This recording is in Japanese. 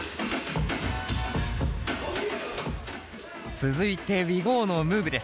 続いてＷｉｇｏｒのムーブです。